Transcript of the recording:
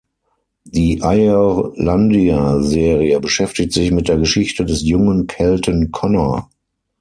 Die Eirlandia-Serie beschäftigt sich mit der Geschichte des jungen Kelten Conor.